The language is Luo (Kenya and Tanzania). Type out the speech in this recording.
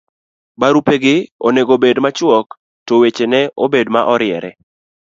barupegi onego bed machuok to weche ne obed maoriere